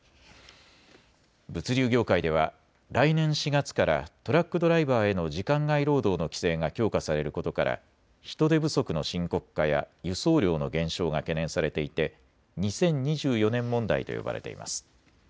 物流業界では来年４月からトラックドライバーへの時間外労働の規制が強化されることから人手不足の深刻化や輸送量の減少が懸念されていて２０２４年問題と呼ばれています。